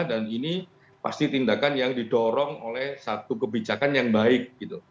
dan ini pasti tindakan yang didorong oleh satu kebijakan yang baik